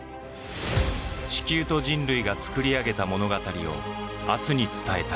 地球と人類が作り上げた物語を明日に伝えたい。